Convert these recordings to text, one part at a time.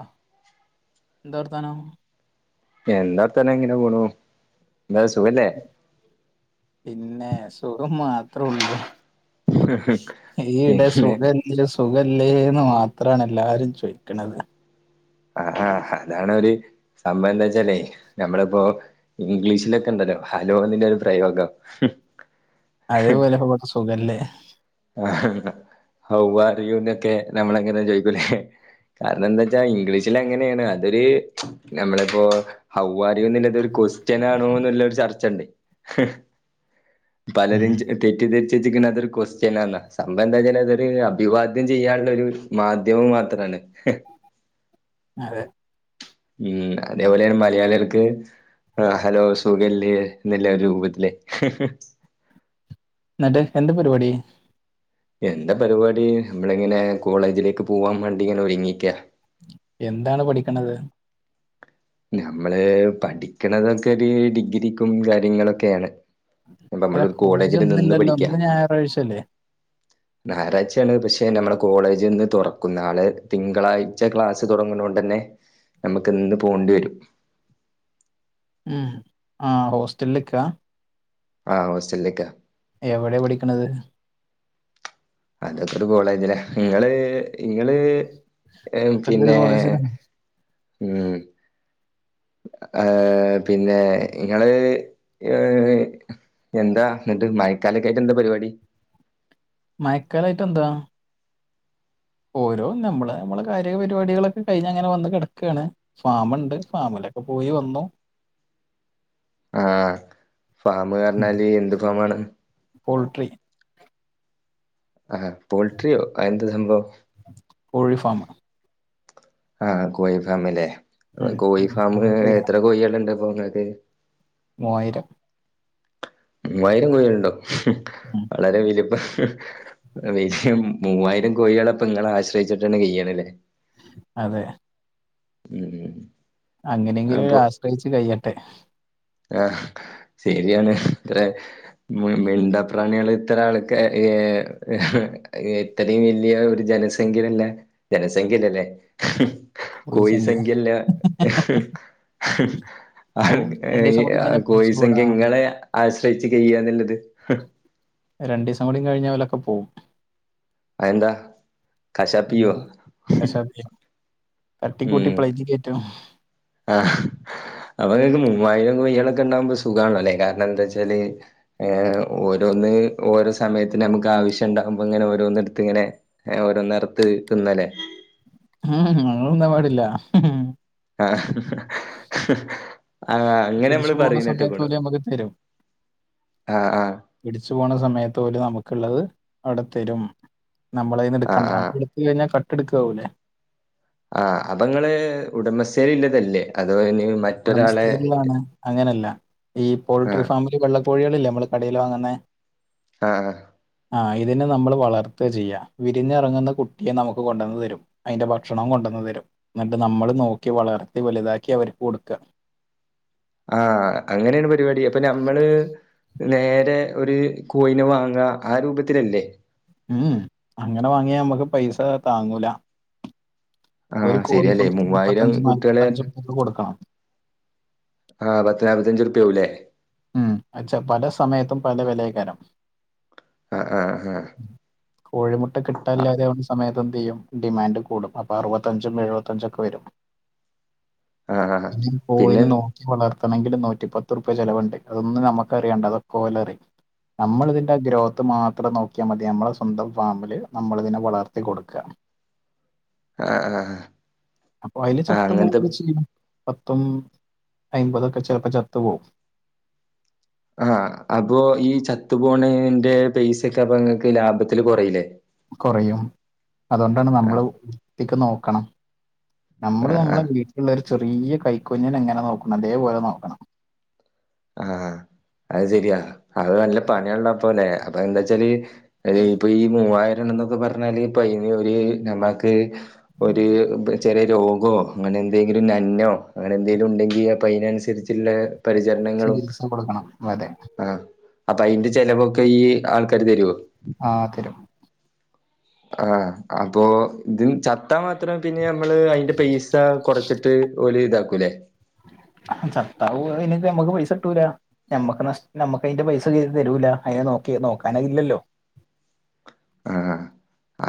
ആ എന്താ വർത്താനം എന്താ വർത്താനം ഇങ്ങനെ പോണു എന്താ സുഖല്ലേ പിന്നെ സുഖം മാത്രേള്ളൂ ഈടെ പിന്നെ സുഖ സുഖല്ലേന്ന് മാത്രമാണ് എല്ലാരും ചോയിക്ക്ണത് ആ ആ അതാണൊരു സംഭവം എന്താ വച്ചാലേ നമ്മളിപ്പോ ഇംഗ്ലീഷിലൊക്കെ ഉണ്ടല്ലോ ഹലോന്ന്ന്റെ ഒരു പ്രയോഗം അതേപോലെ ഇപ്പം കൊർച് സുഖല്ലേ ആ ഹൗ ആറി യൂ ന്നൊക്കെ നമ്മളെങ്ങനെ ചോയിക്കൂലേ കാരണം എന്താ വെച്ചാ ഇംഗ്ലീഷിൽ അങ്ങനെയാണ് അതൊരു നമ്മളിപ്പോ ഹൌ അർ യൂ ന്നുള്ളത് ഒരു ക്വസ്റ്റ്യൻാണോന്നുള്ള ഒരു ചർച്ച ഉണ്ട് പലരും ഉം തെറ്റി തെരിച്ച് വെച്ച്ക്ക്ണേ അതൊരു കോസ് ന്നാ സംഭവം എന്താച്ചാൽ അതൊരു അഭിവാദ്യം ചെയ്യാനുള്ള ഒരു മാധ്യമം മാത്രണ് അതെ ഉം അതേപോലെ മലയാളികൾക്ക് ആ ഹലോ സുഖല്ലേ ന്ന്ല്ലേ ഒരു രൂപത്തിലേ ന്നട്ട് എന്താ പരുപാടി എന്താ പരിപാടി നമ്മളിങ്ങനെ കോളേജിലേക്ക് പോവാൻ വേണ്ടി ഇങ്ങനെ ഒരുങ്ങിക്ക എന്താണ് പഠിക്കണത്? നമ്മള് പഠിക്കണതൊക്കെ ഒരു ഡിഗ്രിക്കും കാര്യങ്ങളൊക്കെയാണ് പ്പ നമ്മൾ അല്ല ഒരു കോളേജ് കോളേജില് നിന്ന് ഒന്നുംല്ലല്ലോ പഠിക്കാ ഇന്ന് ഞായറാഴ്ചല്ലേ ഞായറാഴ്ചയാണ് പക്ഷെ നമ്മളെ കോളേജ് ഇന്ന് തുറക്കും നാളെ തിങ്കളാഴ്ച ക്ലാസ് തുടങ്ങുണണ്ടന്നെ നമ്മക്ക് ഇന്ന് പോണ്ടേരും ഉം ആഹ് ഹോസ്റ്റെൽക്ക? ആഹ ഹോസ്റ്റലിക്കാ എവിടെ പഠിക്ക്ണത്? അതൊക്കൊരു കോളേജില നങ്ങള് ഇങ്ങള് അതൊക്കെ ഒരു പിന്നെ കോളേജിലാ ഉം ആഹ പിന്നെ ങ്ങള് ഏ എന്താ ന്നിട്ട് മഴക്കാലൊക്കായിട്ട് എന്താ പരിപാടി? മയക്കാലായിട്ടെന്താ ഓരോ നമ്മള് നമ്മള് കായിക പരിപാടികളൊക്കെ കഴിഞ്ഞ് അങ്ങനെ വന്ന് കിടക്കുകയാണ് ഫാമുണ്ട് ഫാമിലൊക്കെ പോയി വന്നു ആഹ ഫാമ്‌ന്ന് പറഞ്ഞാല് എന്ത് ഫാ മാണ്? പോൾട്രി ആഹ് പോൾട്രിയോ അത്എന്ത സംഭവം? കോഴി ഫാമ് ആഹ് കോഴി ഫാമ് ല്ലേ ഉം. കോഴി ഫാമ് എത്ര കോഴേള്ണ്ട്? [unintelligible] മൂവായിരം മൂവായിരം കോയേള്ണ്ടോ ഉം വളരെ വലിപ്പ മൂവായിരം കോഴികളപ്പ ഇങ്ങളെ ആശ്രയിച്ചിട്ടന്നെ കയ്യ്ണ്ല്ലേ? അതെ ഉം അങ്ങനെങ്കിലും അപ്പൊ ആശ്രയിച്ചു കഴിയട്ടെ ആഹ് ശരിയാണ് ഇത്ര മുയ് മിണ്ട പ്രാണികള് ഇത്ര ആൾക്കെ ഏ ഇത്രയും വലിയ ഒരു ജനസംഖ്യയിള്ളെ ജനസംഖ്യയല്ലല്ലേ പോയി ഹ്കോഴി സംഖ്യ സംഖ്യല്ല ആ അത് ഏ രണ്ടു ദിവസം കൂടി കഴിഞ്ഞാൽ കോഴി പിടിച്ചു പോടാ സംഖ്യ ഇങ്ങളെ ആശ്രയിച്ച് കയ്യാന്നുള്ളത് രണ്ടീസം കൂടി കഴിഞ്ഞാൽ ഓലൊക്കെ പോവും അതെന്താ കാശാപ്പിയ്യോ? തട്ടി കൂട്ടി പ്ളേറ്റ് കേറ്റണം ആഹ് അപ്പൊങ്ങക്ക് മൂവായിരം കോയ്യിളൊക്കെ ഉണ്ടാവുമ്പോ സുഖാണല്ലേല്ലെകാരണം എന്താച്ചാല് ഏ ഓരോന്ന് ഓരോ സമയത്ത് നമുക്ക് ആവശ്യം ഉണ്ടാകുമ്പോ ഇങ്ങനെ ഓരോന്ന് ഇട്ത്ത്ങ്ങനെ ഓരോന്നർത്ത് തിന്നല്ലേ? ഉം അങ്ങള്ന്നാൻ പാടില്ല ആഹ് ആഹ് അങ്ങനെ പിടിച്ചു നമ്മള് പോകുന്ന സമയത്ത് പറിണേട്ടുക്കുണു പോലും നമുക്ക് തരും ആഹ് ആഹ് പിടിച്ചു പോണ സമയത്ത് ഓല് നമുക്ക്ള്ളത് അവിടെ തരും നമ്മളയ്ന്ന് ആഹ് ഇട്ക്കണ്ട ആഹ് [unintelligible] ഇത് കയ്ഞ്ഞാൽ കട്ടെട്ക്കാവുലേ ആഹ് അപ്പങ്ങള് ഉടമസ്ഥേരി ഇല്ലതല്ലേ അതോ [unintelligible] ഉടമസ്‌ഥേലുള്ളതാണ് അങ്ങനെയല്ല ഈ പോൾട്രി ആഹ് ഫാമില് വെള്ളക്കോഴികള്ല്ലേ നമ്മള് കടയില് വാങ്ങുന്നേ ആഹ് ആഹ് ആഹ് ഇതിനെ നമ്മൾ വളർത്ത ചെയ്യ. വിരിഞ്ഞറങ്ങുന്ന കുട്ടിയെ നമുക്ക് കൊണ്ടന്ന് തരും അതിന്റെ ഭക്ഷണും കൊണ്ടന്ന് തരും ഇന്നട്ട് നമ്മള് നോക്കി വളർത്തി വലുതാക്കി അവർക്ക് കൊടുക്ക. ആഹ് അങ്ങനെണ് പരിവാടി അപ്പൊ നമ്മള് നേരെ ഒരു കോയിനെ വാങ്ങാ ആ രൂപത്തിലല്ലേ ഉം ഉംഅങ്ങനെ വാങ്ങിയാ നമ്മക്ക് പയ്സ താങ്ങൂല. ആഹ് ഒരു ശെരിയാല്ലേ കോഴിക്കുട്ടിക്ക് മൂവായിരം മുപ്പത്തഞ്ച് കുട്ടിയാള് നാല്പത്തഞ്ച് ഉറുപ്പിക കൊടുക്കണം ആഹ് പത്ത്നാപത്തഞ്ച് റുപ്‌യാവുംല്ലേ ഉം അച്ഛ പല സമയത്തും പല വെലയ്ക്കാരം ആഹ് ആഹ് ആഹ് കോഴിമുട്ട കിട്ടാൻല്ലാതെ ആവ്ന്ന സമയത്ത് എന്തെയ്യും ഡിമാൻഡ് കൂടും അപ്പൊ അർവത്തഞ്ചും എഴു വത്തഞ്ചും ഒക്കെ വെരും. [inaudible] ആ ഈ പിന്നെ കോയിനെ നോക്കി വളർത്തണെങ്കിൽ നൂറ്റിപ്പത്ത്ർപ്യ ചെലവ്ണ്ട്. അതൊന്നും നമ്മക്ക് അറിയണ്ട അതൊക്കെ ഓലറിയും നമ്മളിതിന്റെ ഗ്രോത്ത് മാത്രം നോക്കിയാ മതി നമ്മളെ സ്വന്തം ഫാമില് നമ്മളിതിനെവളർത്തി കൊടുക്ക. ആഹ് ആഹ് അപ്പൊ അതില് ആഹ് ചത്തു അങ്ങൻത്തെപ് പോവുക ചെയ്യും പത്തും അയ്മ്പതൊക്കെ ചെലപ്പം ചത്ത് പോവും. ആഹ് അപ്പൊ ഈ ചത്തുപോണേന്റെ പൈസൊക്കെ അപ്പൊ ങ്ങക്ക് ലാഭത്തിൽ കൊറീല്ലേ. കൊറയും അതോണ്ടാണ് ആ നമ്മൾ വിർത്തിക്ക് നോക്കണം. നമ്മള് ആ ആ നമ്മളെ വീട്ടിൽള്ളൊരു ചെറിയ കൈകുഞ്ഞിനെ എങ്ങനെ നോക്കുന്നത് അതേപോലെ നോക്കണം. ആ അത് ശെരിയാ അത് നല്ല പണിയ്ള്ളപ്പല്ലെ അപ്പൊന്താച്ചാല് അഹ് ഇപ്പൊ ഈ മൂവായിരം ണ്ട് ന്നൊക്കെ പർഞ്ഞാൽ പയ്ൻ ഒരു നമ്മാക്ക് ഒര് പ് ചെലേ രോഗോ അനന്തെങ്കിലും നന്നോ അങ്ങനെ ന്തേലും ഉണ്ടെങ്കിൽ അപ്പൊ അയിനൻസരിച്ള്ള പ ജനങ്ങളും ചികിത്സ കൊടുക്കണം അതെ ആ അപ്പൊ അയിന്റെ ചെലവൊക്കെ ഈ ആൾക്കാര് തരോ? ആ തരും ആ അപ്പൊ ഇതിൽ ചത്ത് ത്താ മാത്രം പിന്നെ നമ്മള് അയിന്റെ പൈസ കൊറച്ചിട്ട് ഓൽ ഇതാക്കൂല്ലേ ചത്താവു അയിൻ ല്ലെ നമ്മക്ക് പൈസ കിട്ടൂല നമ്മക്ക് നഷ് നമ്മക്ക് അയിന്റെ പൈസ ചെയ്ത് തരൂല്ല അയിനെ നോക്കി നോക്കാനത് ല്ലല്ലോ ആ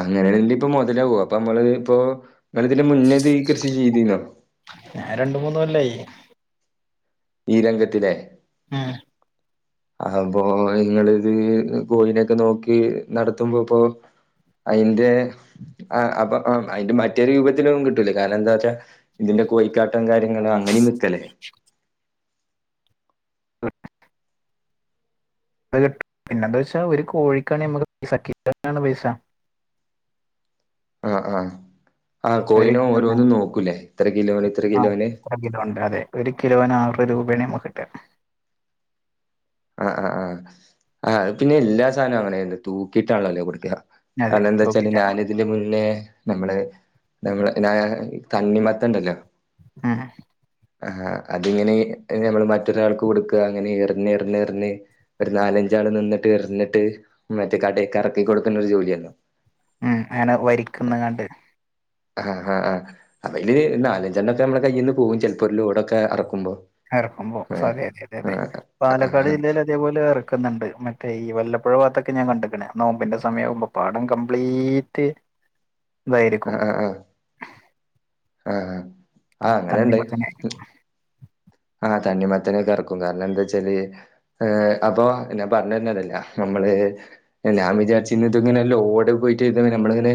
അങ്ങനെയങ്കി ഇപ്പൊ മൊതലവോ അപ്പൊമ്മളള് ഇപ്പോ ങ്ങൾ ഇതിന്റെ മുന്നെ ഇതി കൃഷി ചെയ്തിനോ? ഞാൻ രണ്ട് മൂന്ന് കൊല്ലായി ഈ രംഗത്തിലെ ങേ അഹ്പ്പോ ങ്ങൾത് കോയിനൊക്കെ നോക്കി നടത്തുമ്പോ ഇപ്പോ അയിന്റെ ആ അപ്പം അ അയിന്റെ മറ്റേത് രൂപത്തിലും കിട്ടൂലെക്കാരം കാരണംന്താച്ചാ ഇതിന്റെ കോഴിക്കാട്ടം കാര്യങ്ങളും അങ്ങനെം വിക്കല്ലേ അഹ് കിട്ടും പിന്നെന്താച്ചാ ഒരു കോഴിക്കാണെ നമ്മക്ക് പൈസ കിട്ടാണെ പൈസ ആ ആ ആ ഒരു കോയിനോ കിലോന് ഓരോന്നും നോക്കും ല്ലേ ഇത്ര കിലോന് ഇത്ര ആ കിലോന് ഇത്ര കിലോ ഉണ്ട് അതെ ഒരു കിലോന് ആറ് രൂപയാണ് നമ്മക്ക്കിട്ട ആ ആ അഹ് പിന്നെ എല്ലാ സാനവും അങ്ങനെ വരനത് തൂക്കിയിട്ടാണല്ലോ കൊടുക്ക അതെ കാരണന്താച്ചാല് തൂക്കിട്ടാണ് ഞാൻ തിന് മുന്നേ നമ്മൾ നമ്മൾ ഞ്ഞ തണ്ണിമത്തൻണ്ടല്ലോ ആഹാ ആ അതിങ്ങനെ മ്മൾ മറ്റൊരാൾക്ക് കൊടുക്കാ അങ്ങനെറിഞ്ഞ് റിഞ് ന്ന് ഒര്നാലഞ്ചാള് നിന്ന്ട്ട് എറിഞ്ഞ്ട്ട് മറ്റേക്കാടേക്ക് എറക്കി കൊടുക്ന്ന ഒരു ജോലിയാ ഉം ങ്ങെനെ വരിക്ക്ന്നാണ്ട് ആ ആ ആ അപ്പൊ അയില് നാലഞ്ചെണ്ണൊക്കെ മ്മളെ കയ്യിന്ന് പോവും ചെലപ്പോ ഒരു ലോടൊക്കെ അറക്ക്മ്പോ അറക്കുമ്പോ ഫതെ അതെ അതെ അതെ പാലക്കാട് ആഹ് ജില്ലയിലേക്കെ ഇതേ പോലെ എറക്കുന്നുണ്ട് മറ്റേ വല്ല പൊഴ ഭാത്തൊക്കെ ഞൻ കണ്ട്ക്ക്ണ് നോമ്പിന്റെ സമയാവ് മ്പോ പാടം കംപ്ലീറ്റ് [inaudible] തയിരിക്കും ആഹ് ആ തണ്ണി മത്തനായിരുന്നു ആഹ് തണ്ണിമത്തനേ കറക്കും കാരണം എന്താച്ചാല് ഏ്ഹ് അപ്പൊ ഞാൻ പറഞ്ഞ് വരുന്നതല്ല നമ്മള് ന്നെ ഞാൻ വിചാരിച്ചിന്നത് ഇങ്ങനെ ലോട് പോയിട്ട് രുന്ന നമ്മള്ങ്ങനെ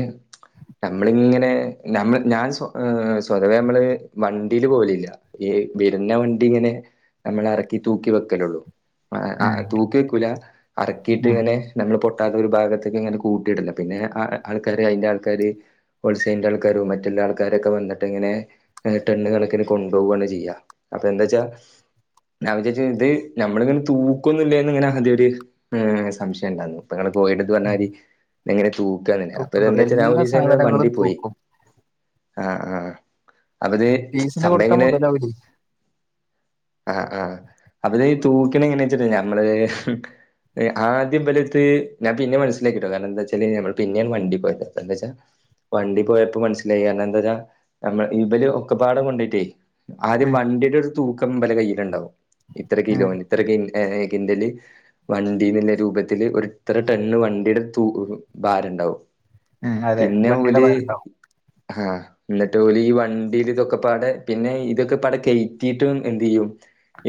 നമ്മളിങ്ങനെ ഞമ്മൾ ഞാൻ സ് ഹ് സ്വതവേ മ്മള് വണ്ടീല് പോവലില്ല ഈ വര്ന്ന വണ്ടിങ്ങനെ ഞങ്ങളെ എറക്കി തൂക്കി വെക്കലോള്ളൂ ആ അഹ് തൂക്കി വിക്കൂല അറക്കിട്ട് ഉം ഉം ഇങ്ങനെ നമ്മള് പൊട്ടാത്ത ഒരു ഭാഗത്തേക്ക്ങ്ങനെ കൂട്ടിയിട്ലാ പിന്നെ അഹ് ആൾക്കാര് അയിന്റെ ആൾക്കാര് ഹോൾസെയിലിന്റെ ആൾക്കാരും മറ്റുള്ള ആൾക്കാരൊക്കെ വന്നിട്ട്ങ്ങനെ ടെണ്ണുകണക്കിന് കൊണ്ടോവാണ് ചെയ്യ അപ്പെന്താച്ചാ ഞാ വിചരിച്ചു ഇത് ഞമ്മളിങ്ങനെ തൂക്കൊന്നില്ലന്ന് ഇങ്ങനെ [unintelligible] ഒരു സംശയം ഉണ്ടായിന്നു അപ്പങ്ങള് പോയിട്ടന്ന് പറഞ്ഞാരി ങ്ങനെതൂക്കാണ് അപ്പൊ തൂക്കും തൂക്കും. ഇതെന്താ വച്ചാ ഞ എല്ലാ ഒരീസം ന്ന് വണ്ടി സാധനങ്ങളും പോയി തൂക്കും ആഹ ആഹ് അപ്പത് പീസിന് കൊടുത്താൽ സമയങ്ങനെ മുതലാവൂലേ ആഹ് ആഹ് അപ്പത്ഈ തൂക്കിണ എങ്ങനെച്ചിട്ട ഞമ്മള് ആദ്യം ഇപലട്ത് ഞാൻ പിന്നെ മനസ്സിലാക്കിട്ടോ കാരണം എന്താച്ചാല് ഞാൻ പിന്നെ വണ്ടിപോയത് എന്താച്ചാ വണ്ടി പോയപ്പോ മനസ്സിലായി. കാരണന്താച്ചാ നമ്മ ഇവല് ഒക്കെപാട കൊണ്ടേയിട്ടേ. ഉം വണ്ടിടെ ഒരു തൂക്കം ഇബലെ കയ്യിലുണ്ടാവും, ഇത്ര കിലോ ഉം ഇത്ര കിൻ ഏ കിന്റല് വണ്ടിന്നുള്ള രൂപത്തില് ഒര് ഇത്ര ടെൻ വണ്ടിടുത്ത് തൂ ഭാരണ്ടാവും ഉം അതെ പിന്നെ വണ്ടിയുടെ ഓല് ഭാരം ഉണ്ടാവും ഹാ, ഇന്ന്ട്ട് ഓല് ഈ വണ്ടില്തൊക്കെപ്പാടെ പിന്നെ ഇതൊക്കെപ്പാടെ കയറ്റിട്ടും എന്തെയ്യും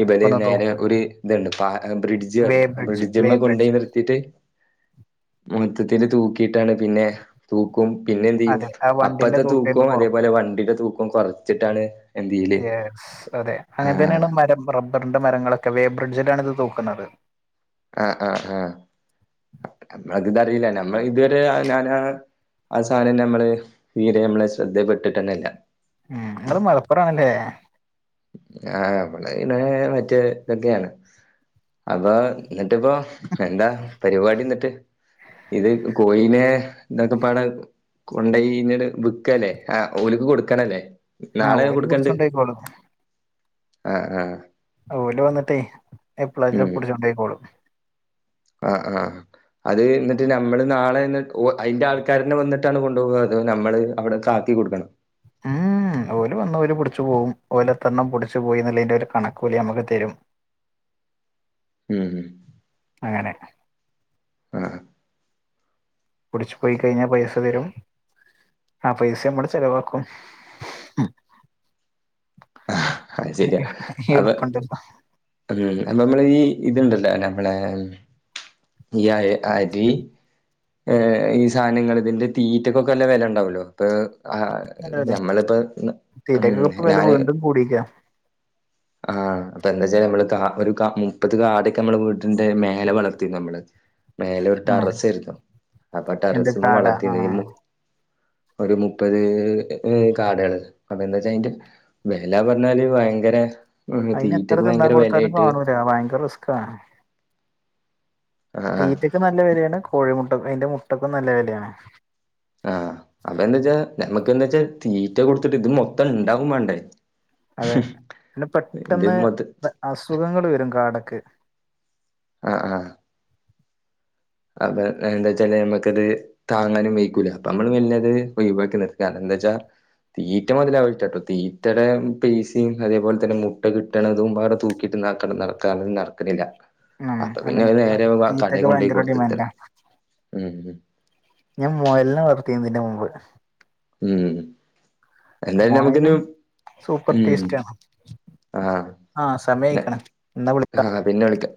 ഇപര് ഒന്ന് നേരെ തൂക്കും ഒരു ഇത്ണ്ട് പാലാ, ബ്രിഡ്ജ് വേ അറിം. ബ്രിഡ്ജ് വേ ബ്രിഡ്ജിമ്മ കൊണ്ടോയി ബ്രിഡ്ജ് നിർത്തിട്ട് മൊണക്കത്തില് തൂക്കിട്ടാണ് പിന്നെ തൂക്കും പിന്നെ എന്ത്യ്യും അതെ ആ വണ്ടിന്റെ അപ്പത്തെ തൂക്കന്ന് തൂക്കും കുറക്കും അതേപോലെ വണ്ടിടെ തൂക്കും കൊറച്ചിട്ടാണ് എന്ത്യയില് യെസ് അതെ, അങ്ങന തന്നെണ് മരം റബ്ബറിന്റെ മരങ്ങളൊക്കെ വേബ്രിഡ്ജിലാണ് ഇത് തൂക്കുന്നത്. ആഹ് ആഹ് ആ. നമ്മൾ ത്‌തറിയില്ലല്ല. നമ്മള്തു വരെ ഞാനാലാ അത് സാരല്ല്യ, ഞമ്മള് തീരെ ഞമ്മളെ ശ്രദ്ധയിപ്പെട്ടിട്ടന്നല്ല. ഉം, ഇങ്ങള് മലപ്പുറാണല്ലേ ആഹ്, അവ്ടെ ഇന്നേ മറ്റേ തൊക്കെയാണ് അപ്പൊ ഇന്നിട്ട്പ്പോ എന്താ പരിവാടി ഇന്നിട്ട്? ഇത് കോയിനെ ഇതൊക്കെപാടെ കൊണ്ടോയി ഇങ്ങനെ വിക്കല്ലേ ആ ഓലക്ക് കൊടുക്കനല്ലേ ആഹ്, ഓല് പുടിച്ചൊണ്ടോയിക്കോളും. ആഹ് ആഹ് ഓല് വന്നിട്ട് എപ്പളാചാ ഉം പുടിച്ചോണ്ടോയിക്കോളും. ആ ആഹ് അത് ഇന്നിട്ട് ഞമ്മള് നാളെന്ന ഉ അയിന്റെ ആൾക്കാരന്നെ വന്നിട്ടാണ് കൊണ്ടോവല് ഞമ്മള് അവിടെ - ആക്കി കൊടുക്കണം ആഹ്, ഓല് വന്നോല് പുടിച്ചു പോവും. ഓലെത്തണ്ണം പുടിച്ചു പോയിന്ന്ല്ലയിന്റെ ഒരു കണക്ക് ഓല് ഞമ്മക്ക് തരും. ഉം അങ്ങനെ ആഹ് പുടിച്ച് പോയി കയിഞ്ഞാൽ പൈസ തരും ആ പൈസമ്മള് ചെലവാക്കും. അത് [unintelligible] എള്പ്പണ്ടല്ലോ [unintelligible] ഞമ്മള ഈ ഇത്ണ്ടല്ലോ ഞമ്മളെ ഈ അയ് അരി ഏഹ്, ഈ സാനങ്ങള് ഇതിന്റെ തീറ്റക്കൊക്കെ നല്ല വെല ഉണ്ടാവല്ലോ. അപ്പൊ ആ അതെ അതെ. ഞമ്മളിപ്പോ ഉം ഞാന് കൂടിക്ക ആഹ്, അപ്പൊ എന്താച്ചാല് നമ്മള് കാ ഒരു കാ മുപ്പത് കാടൊക്കെ നമ്മൾ വീടിന്റെ മേലെ വളർത്തിരുന്നു നമ്മള്. മേലെ ഒരു ഉം ടെറസെരുന്നു, അപ്പൊ എന്ത് ടെറസ്മ്മെ കാട ആ വളർത്തീനി. ഈ മു ഒരു മുപ്പത് കാടേള്. അപ്പ എന്താ വച്ച അയിന്റെ വെല പറഞ്ഞാല് ഭയങ്കര അയിന് എത്ര തീറ്റക്ക് തിന്നാൻ ഭയങ്കര കൊടുത്താലും വിലയായിട്ട് കാണൂല. ഭയങ്കര റിസ്കാണ്. ആഹ് ആഹ് തീറ്റക്കും നല്ല വെലേണ്, കോഴിമുട്ട അയിന്റെ മുട്ടക്കും നല്ല വെലേണ്. ആഹ്, അപ്പ എന്താ വെച്ചാ നമ്മക്ക് എന്താ വച്ചാ, തീറ്റ കൊടുത്തിട്ട് ഇത് മൊത്തം ഉണ്ടാകും മാണ്ടേ അതെ പിന്നെ പെട്ടെന്ന് [unintelligible] അസുഖങ്ങൾ വരും കാടക്ക് ആ ആഹ അത് എന്താ വച്ചാല് നമ്മക്കത് താങ്ങാനും വെയ്ക്കൂല, അപ്പൊ നമ്മള് പിന്നത്‌ ഒഴിവാക്കി നിർത്താ. അത് എന്താ വെച്ചാ തീറ്റ മുതല ആ വിട്ടാട്ടോ. തീറ്റടെ പേസിം അതേപലെന്നെ മുട്ട കി ട്ടണതുംപാടെ തൂക്കിട്ട് നടക്കണം, നടക്കാനും നടക്ക്ണില്ല ഉം അപ്പൊ പിന്നെ അനേരെ വ കടെ കൊണ്ടോയ് കൊടുത്ത് അതെ ഉം ഉം ഞാൻ മുയലിനെ വള്ർത്തിന്ന് തിന്റെ മുമ്പ് ഉം എന്തായാലും നമുക്ക്നു മുയലും സൂപ്പർ ടേസ്റ്റ ആഹ് ആഹ് സമയയ്ക്ക്ണ് എന്നാ വിളിക്ക ആഹ് പിന്നെ വിളിക്ക